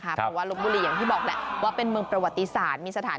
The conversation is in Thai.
เพราะว่าลบบุรีอย่างที่บอกแหละว่าเป็นเมืองประวัติศาสตร์มีสถาน